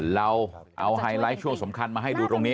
เราเอาไฮไลท์ช่วงสำคัญมาให้ดูตรงนี้